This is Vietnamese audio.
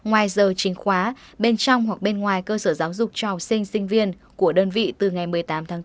ngoài giờ chính khóa bên trong hoặc bên ngoài cơ sở giáo dục cho học sinh sinh viên của đơn vị từ ngày một mươi tám tháng bốn